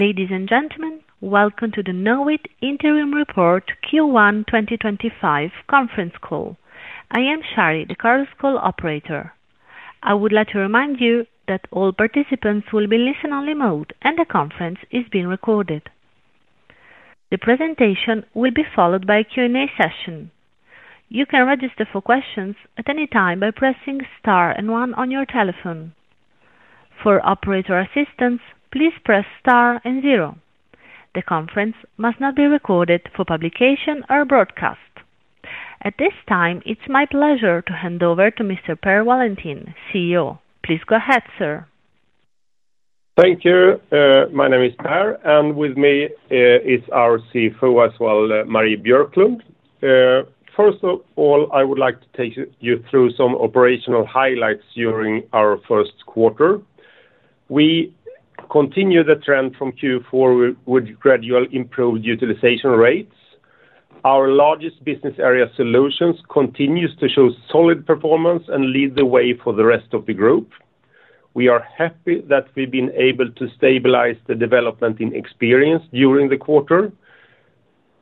Ladies and gentlemen, welcome to the Knowit Interim Report Q1 2025 conference call. I am Shari, the call's call operator. I would like to remind you that all participants will be listened to on remote, and the conference is being recorded. The presentation will be followed by a Q&A session. You can register for questions at any time by pressing star and one on your telephone. For operator assistance, please press star and zero. The conference must not be recorded for publication or broadcast. At this time, it's my pleasure to hand over to Mr. Per Wallentin, CEO. Please go ahead, sir. Thank you. My name is Per, and with me is our CFO as well, Marie Björklund. First of all, I would like to take you through some operational highlights during our first quarter. We continue the trend from Q4 with gradual improved utilization rates. Our largest business area Solutions continue to show solid performance and lead the way for the rest of the group. We are happy that we've been able to stabilize the development in Experience during the quarter.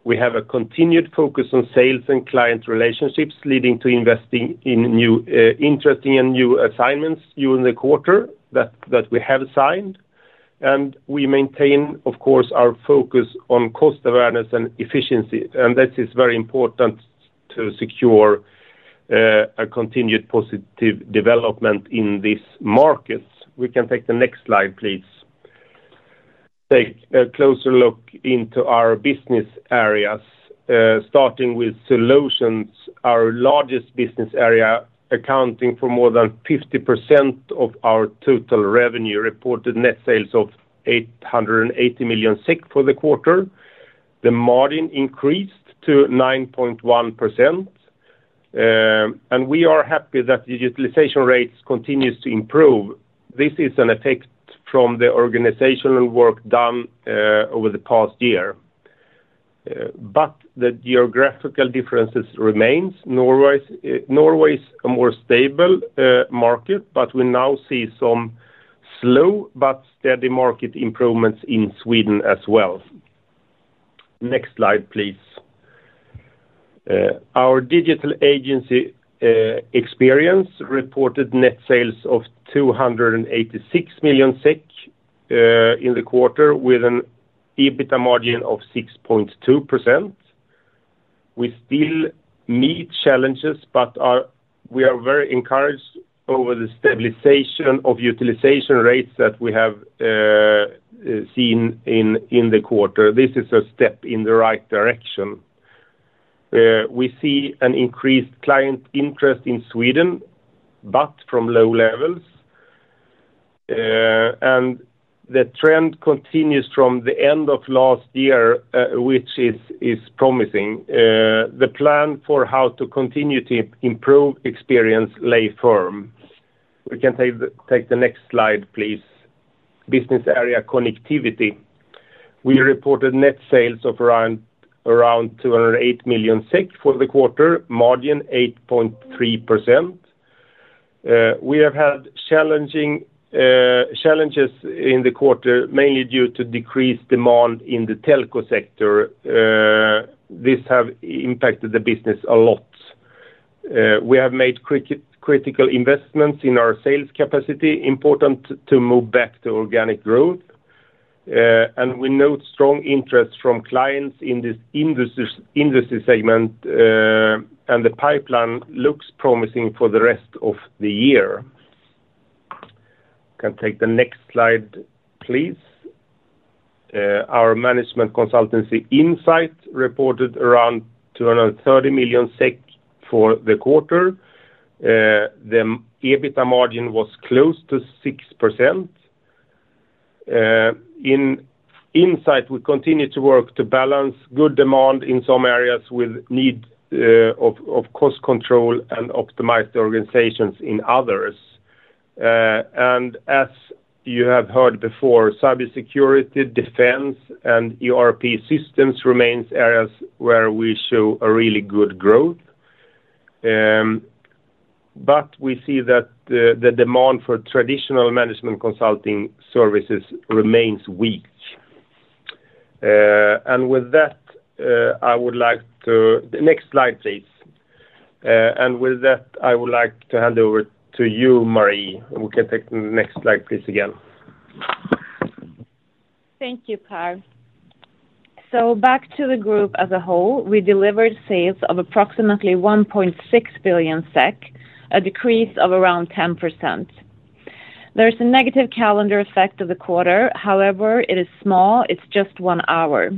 We have a continued focus on sales and client relationships, leading to investing in new, interesting, and new assignments during the quarter that we have assigned. We maintain, of course, our focus on cost awareness and efficiency, and this is very important to secure a continued positive development in these markets. We can take the next slide, please. Take a closer look into our business areas, starting with Solutions. Our largest business area, accounting for more than 50% of our total revenue, reported net sales of 880 million for the quarter. The margin increased to 9.1%, and we are happy that the utilization rates continue to improve. This is an effect from the organizational work done over the past year. The geographical differences remain. Norway is a more stable market, and we now see some slow but steady market improvements in Sweden as well. Next slide, please. Our digital agency Experience reported net sales of 286 million SEK in the quarter, with an EBITDA margin of 6.2%. We still meet challenges, but we are very encouraged over the stabilization of utilization rates that we have seen in the quarter. This is a step in the right direction. We see an increased client interest in Sweden, but from low levels. The trend continues from the end of last year, which is promising. The plan for how to continue to improve Experience lay firm. We can take the next slide, please. Business area Connectivity. We reported net sales of around 208 million SEK for the quarter, margin 8.3%. We have had challenging challenges in the quarter, mainly due to decreased demand in the telco sector. This has impacted the business a lot. We have made critical investments in our sales capacity, important to move back to organic growth. We note strong interest from clients in this industry segment, and the pipeline looks promising for the rest of the year. Can take the next slide, please. Our management consultancy Insight reported around 230 million SEK for the quarter. The EBITDA margin was close to 6%. In Insight, we continue to work to balance good demand in some areas with need of cost control and optimized organizations in others. As you have heard before, cybersecurity, defense, and ERP systems remain areas where we show a really good growth. We see that the demand for traditional management consulting services remains weak. With that, I would like to—next slide, please. With that, I would like to hand over to you, Marie. We can take the next slide, please, again. Thank you, Per. Back to the group as a whole, we delivered sales of approximately 1.6 billion SEK, a decrease of around 10%. There is a negative calendar effect of the quarter. However, it is small. It is just one hour.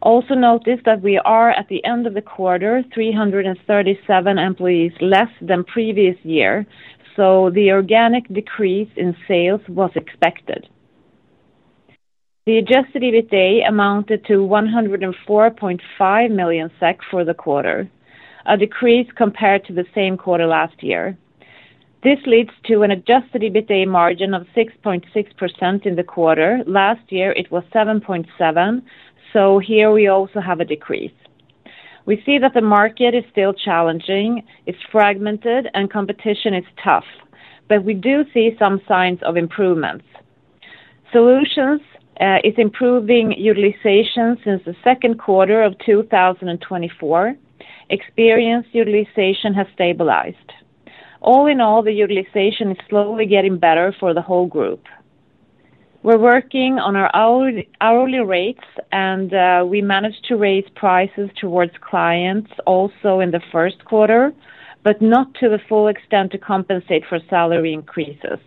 Also notice that we are at the end of the quarter, 337 employees less than previous year. The organic decrease in sales was expected. The adjusted EBITDA amounted to 104.5 million SEK for the quarter, a decrease compared to the same quarter last year. This leads to an adjusted EBITDA margin of 6.6% in the quarter. Last year, it was 7.7%. Here, we also have a decrease. We see that the market is still challenging. It is fragmented, and competition is tough. We do see some signs of improvements. Solutions is improving utilization since the second quarter of 2024. Experience utilization has stabilized. All in all, the utilization is slowly getting better for the whole group. We're working on our hourly rates, and we managed to raise prices towards clients also in the first quarter, but not to the full extent to compensate for salary increases.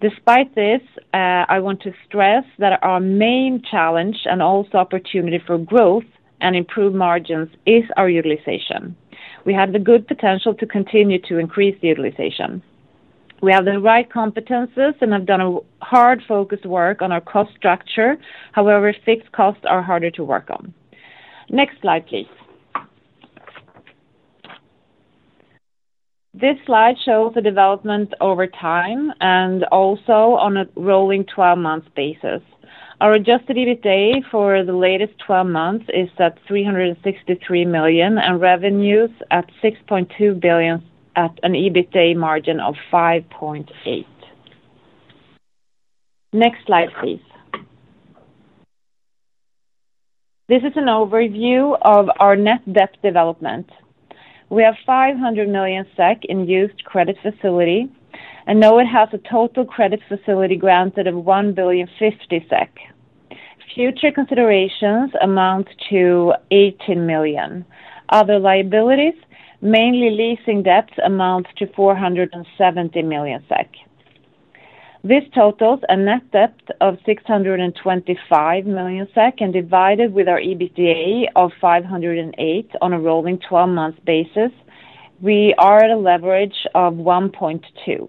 Despite this, I want to stress that our main challenge and also opportunity for growth and improved margins is our utilization. We have the good potential to continue to increase utilization. We have the right competencies and have done hard-focused work on our cost structure. However, fixed costs are harder to work on. Next slide, please. This slide shows the development over time and also on a rolling 12-month basis. Our adjusted EBITDA for the latest 12 months is at 363 million and revenues at 6.2 billion at an EBITDA margin of 5.8%. Next slide, please. This is an overview of our net debt development. We have 500 million SEK in used credit facility, and Knowit has a total credit facility granted of 1 billion 50 million. Future considerations amount to 18 million. Other liabilities, mainly leasing debts, amount to 470 million SEK. This totals a net debt of 625 million SEK and divided with our EBITDA of 508 million on a rolling 12-month basis, we are at a leverage of 1.2.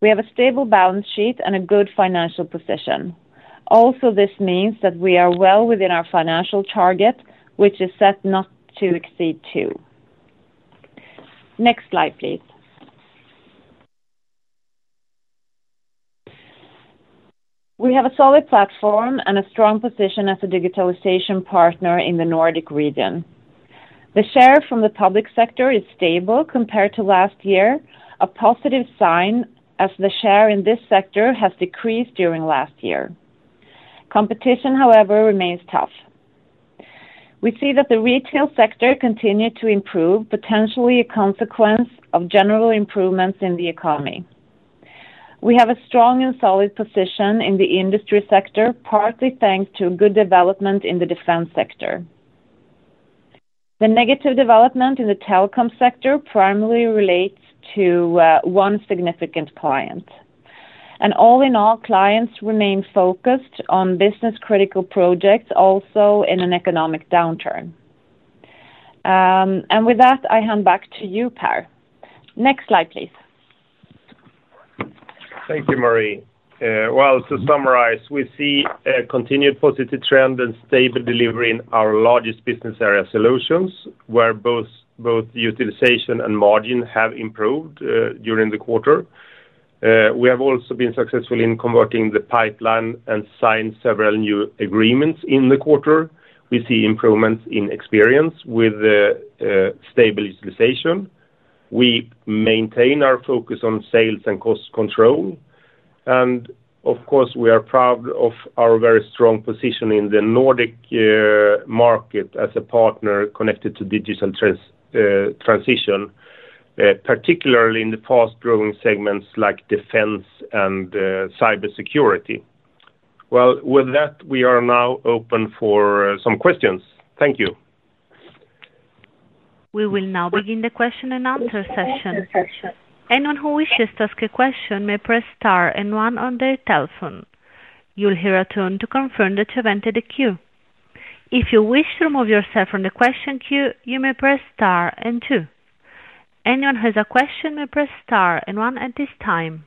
We have a stable balance sheet and a good financial position. Also, this means that we are well within our financial target, which is set not to exceed two. Next slide, please. We have a solid platform and a strong position as a digitalization partner in the Nordic region. The share from the public sector is stable compared to last year, a positive sign as the share in this sector has decreased during last year. Competition, however, remains tough. We see that the retail sector continued to improve, potentially a consequence of general improvements in the economy. We have a strong and solid position in the industry sector, partly thanks to good development in the defense sector. The negative development in the telecom sector primarily relates to one significant client. All in all, clients remain focused on business-critical projects also in an economic downturn. With that, I hand back to you, Per. Next slide, please. Thank you, Marie. To summarize, we see a continued positive trend and stable delivery in our largest business area Solutions where both utilization and margin have improved during the quarter. We have also been successful in converting the pipeline and signed several new agreements in the quarter. We see improvements in Experience with stable utilization. We maintain our focus on sales and cost control. Of course, we are proud of our very strong position in the Nordic market as a partner connected to digital transition, particularly in the fast-growing segments like defense and cybersecurity. With that, we are now open for some questions. Thank you. We will now begin the question and answer session. Anyone who wishes to ask a question may press star and one on their telephone. You'll hear a tone to confirm that you've entered the queue. If you wish to remove yourself from the question queue, you may press star and two. Anyone who has a question may press star and one at this time.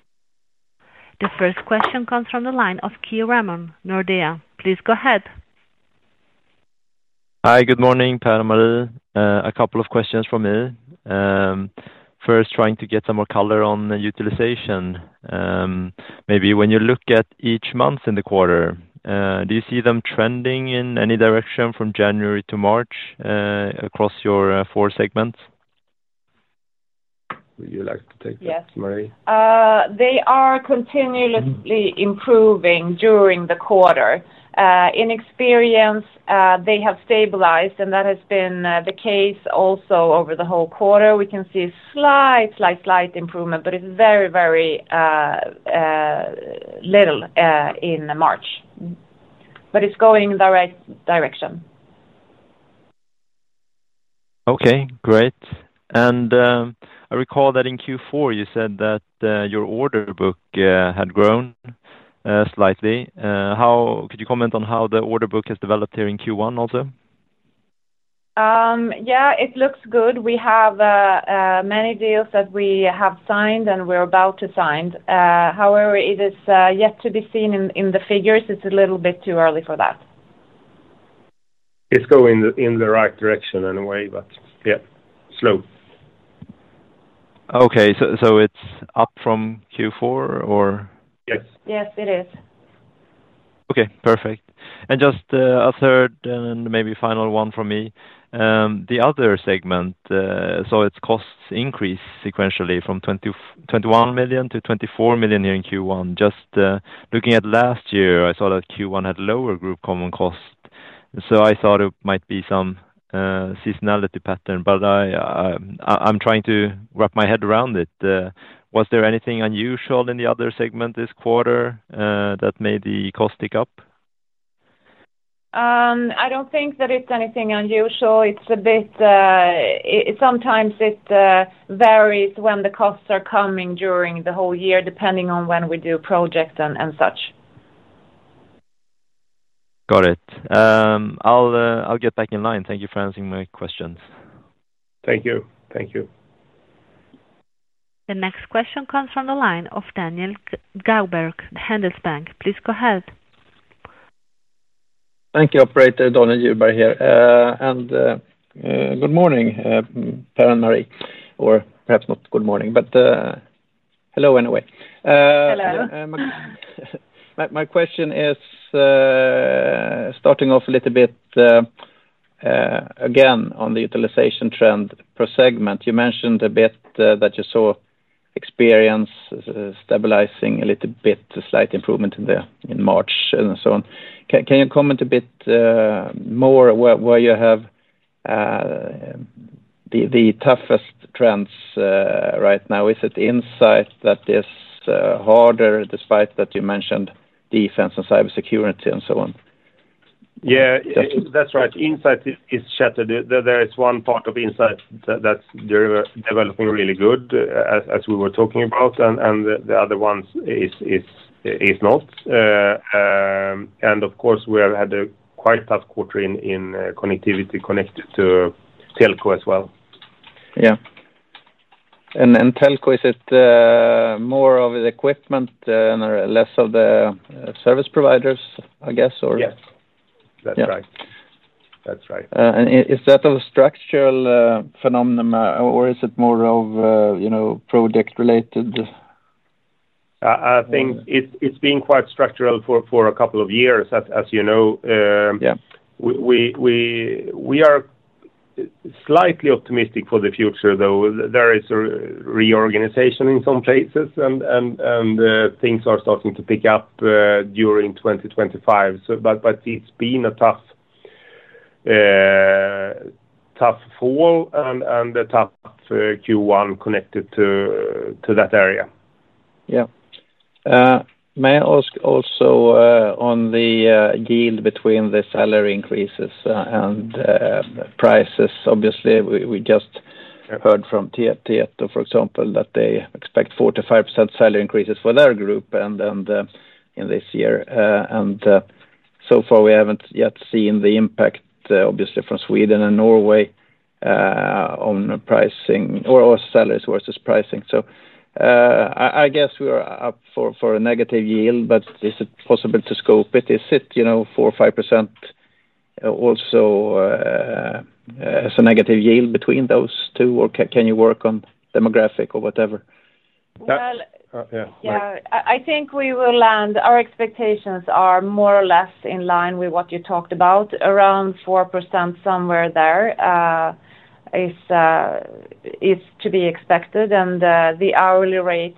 The first question comes from the line of Keon Ramon, Nordea. Please go ahead. Hi, good morning, Per, Marie. A couple of questions for me. First, trying to get some more color on the utilization. Maybe when you look at each month in the quarter, do you see them trending in any direction from January to March across your four segments? Would you like to take this, Marie? Yes. They are continuously improving during the quarter. In Experience, they have stabilized, and that has been the case also over the whole quarter. We can see a slight, slight, slight improvement, but it's very, very little in March. It is going in the right direction. Okay, great. I recall that in Q4, you said that your order book had grown slightly. Could you comment on how the order book has developed here in Q1 also? Yeah, it looks good. We have many deals that we have signed and we're about to sign. However, it is yet to be seen in the figures. It's a little bit too early for that. It's going in the right direction in a way, but yeah, slow. Okay, so it's up from Q4, or? Yes. Yes, it is. Okay, perfect. Just a third and maybe final one from me. The other segment, so its costs increase sequentially from 21 million to 24 million here in Q1. Just looking at last year, I saw that Q1 had lower group common cost. I thought it might be some seasonality pattern, but I'm trying to wrap my head around it. Was there anything unusual in the other segment this quarter that made the cost tick up? I don't think that it's anything unusual. It's a bit sometimes it varies when the costs are coming during the whole year, depending on when we do projects and such. Got it. I'll get back in line. Thank you for answering my questions. Thank you. Thank you. The next question comes from the line of Daniel Djurberg, Handelsbanken. Please go ahead. Thank you, Operator. Donald Djurberg here. And good morning, Per, Marie, or perhaps not good morning, but hello anyway. Hello. My question is starting off a little bit again on the utilization trend per segment. You mentioned a bit that you saw Experience stabilizing a little bit, slight improvement in March and so on. Can you comment a bit more where you have the toughest trends right now? Is it Insight that is harder despite that you mentioned Defense and Cybersecurity and so on? Yeah, that's right. Insight is shattered. There is one part of Insight that's developing really good, as we were talking about, and the other one is not. Of course, we have had a quite tough quarter in Connectivity connected to telco as well. Yeah. Telco, is it more of the equipment and less of the service providers, I guess, or? Yes. That's right. That's right. Is that a structural phenomenon, or is it more of project-related? I think it's been quite structural for a couple of years, as you know. We are slightly optimistic for the future, though. There is reorganization in some places, and things are starting to pick up during 2025. It has been a tough fall and a tough Q1 connected to that area. Yeah. May I ask also on the yield between the salary increases and prices? Obviously, we just heard from Tietoevry, for example, that they expect 4%-5% salary increases for their group in this year. And so far, we have not yet seen the impact, obviously, from Sweden and Norway on pricing or salaries versus pricing. I guess we are up for a negative yield, but is it possible to scope it? Is it 4%, 5% also as a negative yield between those two, or can you work on demographic or whatever? Well. Yeah. Yeah. I think we will land our expectations are more or less in line with what you talked about, around 4% somewhere there is to be expected. The hourly rates,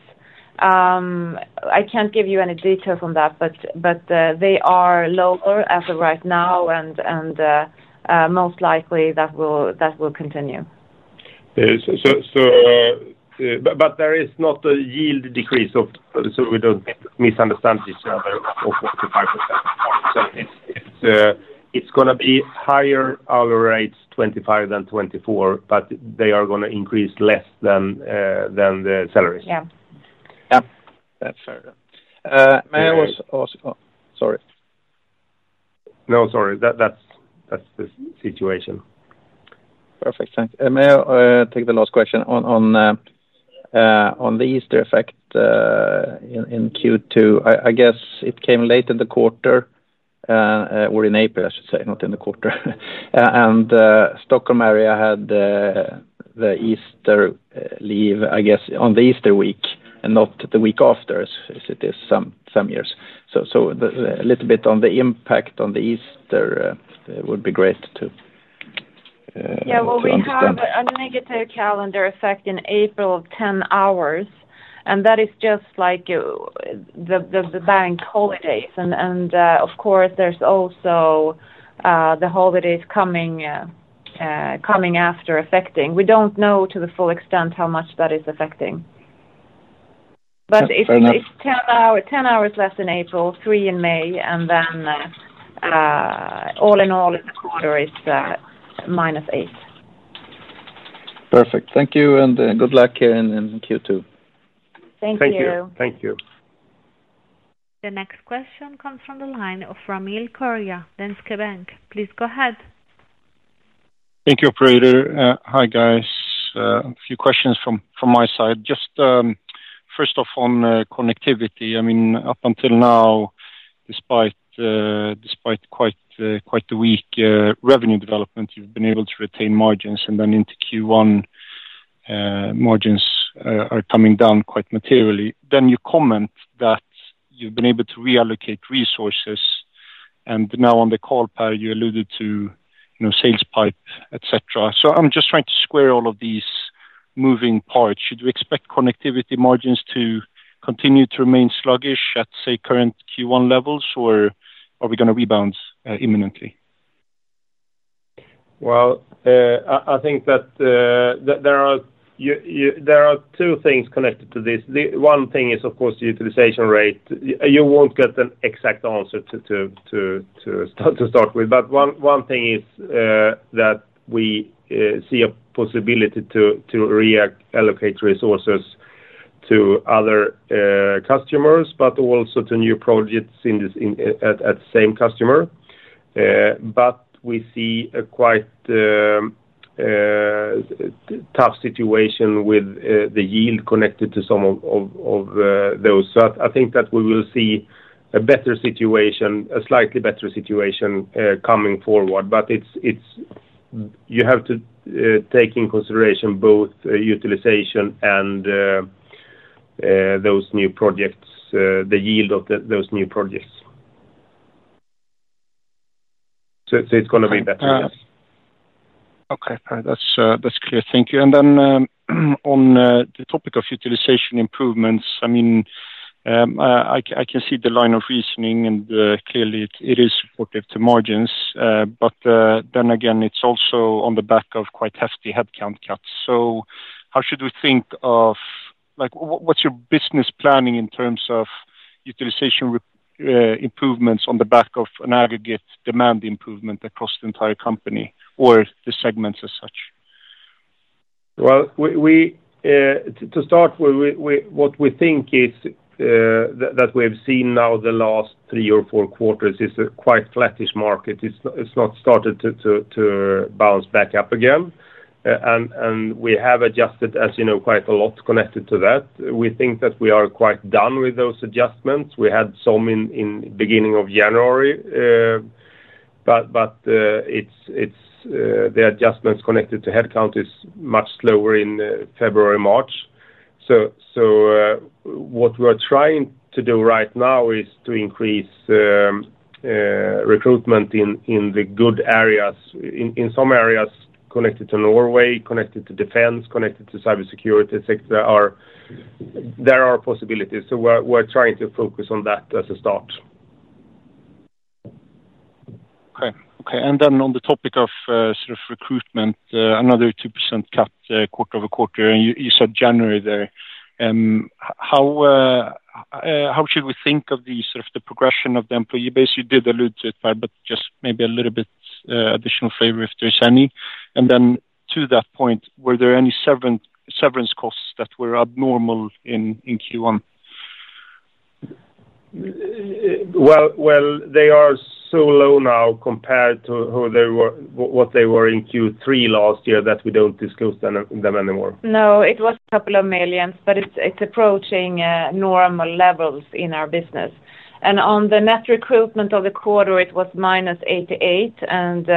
I can't give you any details on that, but they are lower as of right now, and most likely that will continue. There is not a yield decrease, so we do not misunderstand each other, of 45%. It is going to be higher hourly rates, 2025 than 2024, but they are going to increase less than the salaries. Yeah. Yeah. That's fair. May I ask? Sorry. No, sorry. That's the situation. Perfect. Thanks. May I take the last question on the Easter effect in Q2? I guess it came late in the quarter or in April, I should say, not in the quarter. The Stockholm area had the Easter leave, I guess, on the Easter week and not the week after, as it is some years. A little bit on the impact on the Easter would be great to understand. Yeah, we have a negative calendar effect in April of 10 hours, and that is just like the bank holidays. Of course, there are also the holidays coming after affecting. We do not know to the full extent how much that is affecting. It is 10 hours less in April, 3 in May, and then all in all, in the quarter, it is minus 8. Perfect. Thank you, and good luck here in Q2. Thank you. Thank you. Thank you. The next question comes from the line of Ramil Koria, Danske Bank. Please go ahead. Thank you, Operator. Hi, guys. A few questions from my side. Just first off on Connectivity. I mean, up until now, despite quite the weak revenue development, you've been able to retain margins, and then into Q1, margins are coming down quite materially. You comment that you've been able to reallocate resources, and now on the call, Per, you alluded to sales pipe, etc. I am just trying to square all of these moving parts. Should we expect Connectivity margins to continue to remain sluggish at, say, current Q1 levels, or are we going to rebound imminently? I think that there are two things connected to this. One thing is, of course, the utilization rate. You won't get an exact answer to start with, but one thing is that we see a possibility to reallocate resources to other customers, but also to new projects at the same customer. We see a quite tough situation with the yield connected to some of those. I think that we will see a better situation, a slightly better situation coming forward, but you have to take into consideration both utilization and those new projects, the yield of those new projects. It's going to be better, yes. Okay, that's clear. Thank you. On the topic of utilization improvements, I mean, I can see the line of reasoning, and clearly, it is supportive to margins, but then again, it's also on the back of quite hefty headcount cuts. How should we think of what's your business planning in terms of utilization improvements on the back of an aggregate demand improvement across the entire company or the segments as such? To start, what we think is that we have seen now the last three or four quarters is a quite flattish market. It's not started to bounce back up again, and we have adjusted, as you know, quite a lot connected to that. We think that we are quite done with those adjustments. We had some in the beginning of January, but the adjustments connected to headcount is much slower in February and March. What we're trying to do right now is to increase recruitment in the good areas. In some areas connected to Norway, connected to defense, connected to cybersecurity, there are possibilities. We're trying to focus on that as a start. Okay. Okay. On the topic of recruitment, another 2% cut quarter over quarter, and you said January there. How should we think of the progression of the employee base? You did allude to it, Per, but just maybe a little bit additional favor if there's any. To that point, were there any severance costs that were abnormal in Q1? They are so low now compared to what they were in Q3 last year that we don't disclose them anymore. No, it was a couple of millions, but it's approaching normal levels in our business. On the net recruitment of the quarter, it was minus 88, and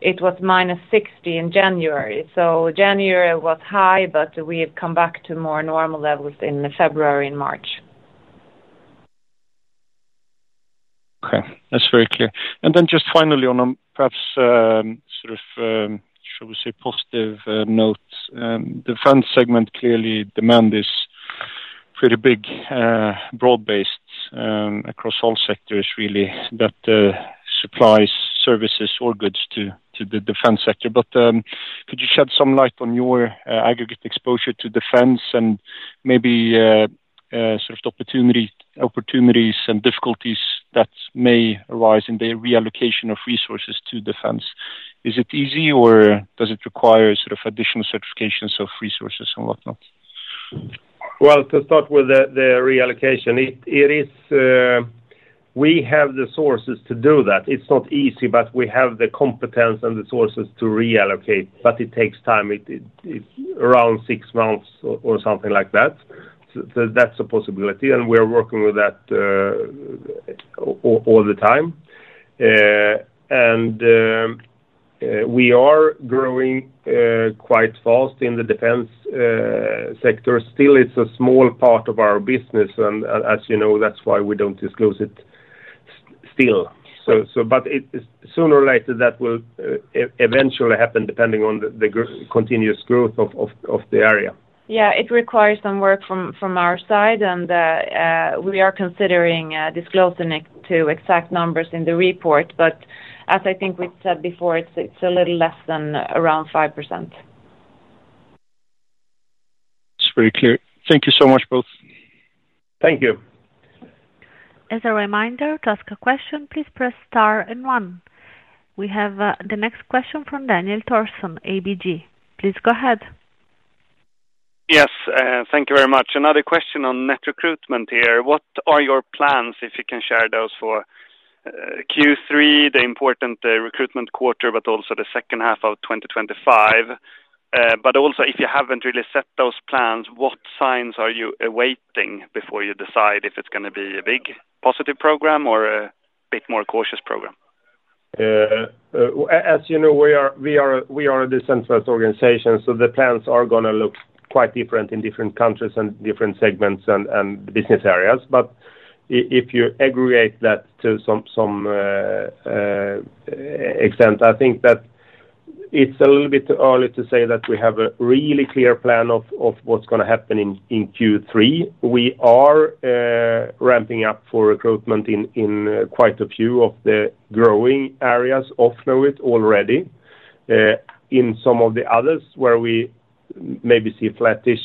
it was minus 60 in January. January was high, but we have come back to more normal levels in February and March. Okay. That's very clear. Finally, on a perhaps sort of, shall we say, positive note, the defense segment clearly demand is pretty big, broad-based across all sectors, really, that supplies services or goods to the defense sector. Could you shed some light on your aggregate exposure to defense and maybe sort of opportunities and difficulties that may arise in the reallocation of resources to defense? Is it easy, or does it require sort of additional certifications of resources and whatnot? To start with the reallocation, we have the sources to do that. It's not easy, but we have the competence and the sources to reallocate, but it takes time. It's around six months or something like that. That's a possibility, and we are working with that all the time. We are growing quite fast in the defense sector. Still, it's a small part of our business, and as you know, that's why we don't disclose it still. Sooner or later, that will eventually happen depending on the continuous growth of the area. Yeah. It requires some work from our side, and we are considering disclosing it to exact numbers in the report, but as I think we've said before, it's a little less than around 5%. It's very clear. Thank you so much, both. Thank you. As a reminder, to ask a question, please press star and one. We have the next question from Daniel Thorsson, ABG. Please go ahead. Yes. Thank you very much. Another question on net recruitment here. What are your plans, if you can share those, for Q3, the important recruitment quarter, but also the second half of 2025? If you have not really set those plans, what signs are you awaiting before you decide if it is going to be a big positive program or a bit more cautious program? As you know, we are a decentralized organization, so the plans are going to look quite different in different countries and different segments and business areas. If you aggregate that to some extent, I think that it's a little bit too early to say that we have a really clear plan of what's going to happen in Q3. We are ramping up for recruitment in quite a few of the growing areas. Often we're already in some of the others where we maybe see flattish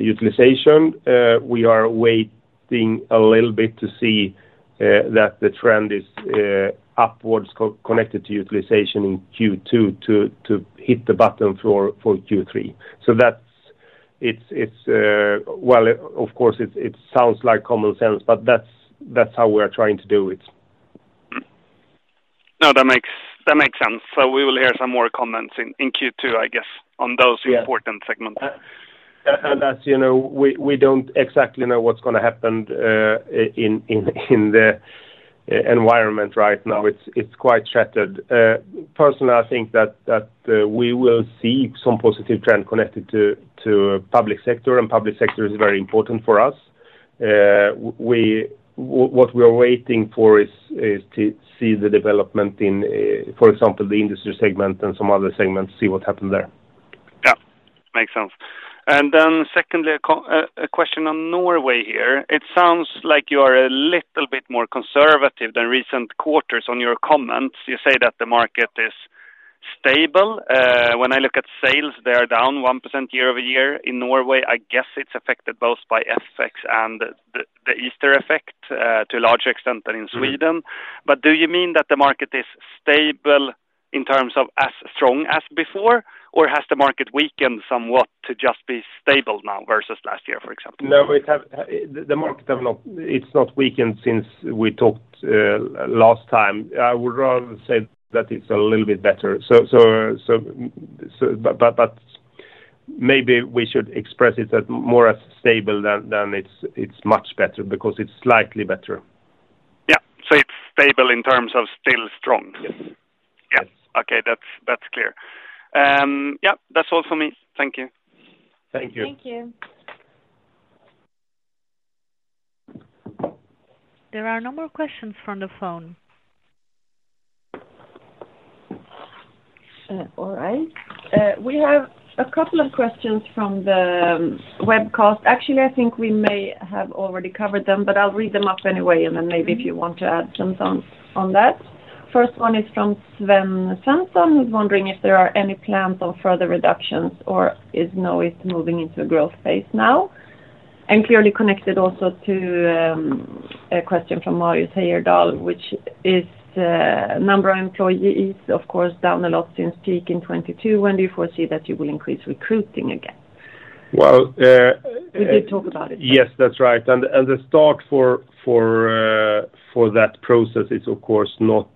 utilization. We are waiting a little bit to see that the trend is upwards connected to utilization in Q2 to hit the bottom for Q3. Of course, it sounds like common sense, but that's how we are trying to do it. No, that makes sense. We will hear some more comments in Q2, I guess, on those important segments. As you know, we don't exactly know what's going to happen in the environment right now. It's quite shattered. Personally, I think that we will see some positive trend connected to public sector, and public sector is very important for us. What we are waiting for is to see the development in, for example, the industry segment and some other segments, see what happens there. Yeah. Makes sense. Secondly, a question on Norway here. It sounds like you are a little bit more conservative than recent quarters on your comments. You say that the market is stable. When I look at sales, they are down 1% year over year. In Norway, I guess it is affected both by FX and the Easter effect to a larger extent than in Sweden. Do you mean that the market is stable in terms of as strong as before, or has the market weakened somewhat to just be stable now versus last year, for example? No, the market has not weakened since we talked last time. I would rather say that it's a little bit better. Maybe we should express it more as stable than it's much better because it's slightly better. Yeah. It is stable in terms of still strong. Yes. Yes. Okay. That's clear. Yeah. That's all for me. Thank you. Thank you. Thank you. There are no more questions from the phone. All right. We have a couple of questions from the webcast. Actually, I think we may have already covered them, but I'll read them up anyway, and then maybe if you want to add something on that. First one is from Sven Svensson, who's wondering if there are any plans on further reductions or if Norway is moving into a growth phase now. Clearly connected also to a question from Marius Heyerdahl, which is number of employees, of course, down a lot since peak in 2022. When do you foresee that you will increase recruiting again? Well. We did talk about it. Yes, that's right. The start for that process is, of course, not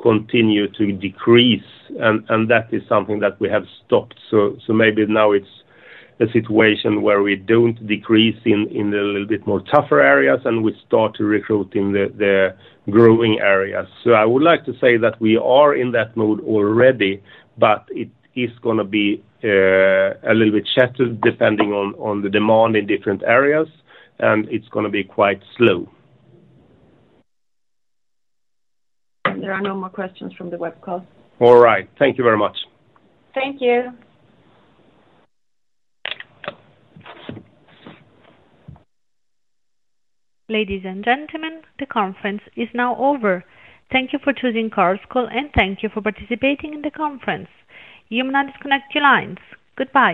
continue to decrease, and that is something that we have stopped. Maybe now it's a situation where we do not decrease in the little bit more tougher areas, and we start to recruit in the growing areas. I would like to say that we are in that mode already, but it is going to be a little bit shattered depending on the demand in different areas, and it is going to be quite slow. There are no more questions from the webcast. All right. Thank you very much. Thank you. Ladies and gentlemen, the conference is now over. Thank you for choosing Chorus Call, and thank you for participating in the conference. You may now disconnect your lines. Goodbye.